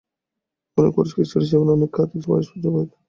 অনেক পুরুষকে চিরজীবন এবং অনেককে অধিক বয়স পর্যন্ত অবিবাহিত থাকিতে হয়।